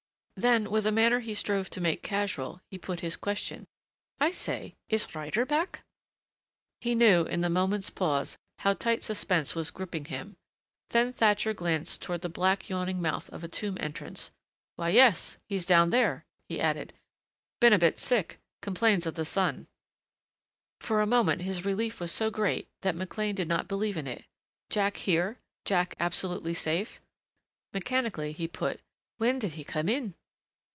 Then with a manner he strove to make casual he put his question. "I say, is Ryder back?" He knew, in the moment's pause, how tight suspense was gripping him. Then Thatcher glanced toward the black yawning mouth of a tomb entrance. "Why, yes he's down there." He added. "Been a bit sick. Complains of the sun." For a moment his relief was so great that McLean did not believe in it. Jack here Jack absolutely safe Mechanically he put, "When did he come in?"